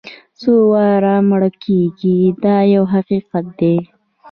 څو واره مړه کېږي دا یو حقیقت دی.